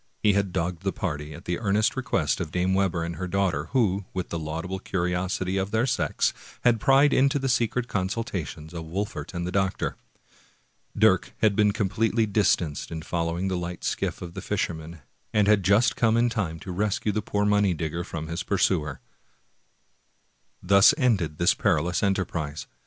He had dogged the party, at the earnest request of Dame Webber and her daughter, who, with the laudable curiosity of their sex, had pried into the secret consultations of Wol fert and the doctor. Dirk had been completely distanced in following the light skiff of the fisherman, and had just come in time to rescue the poor money digger from his pursuer. Thus ended this perilous enterprise.